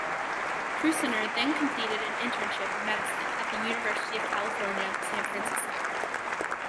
Prusiner then completed an internship in medicine at the University of California, San Francisco.